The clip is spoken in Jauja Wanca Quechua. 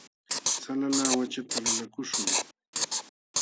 Hala laawachata lulakuśhun.